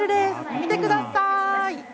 見てください。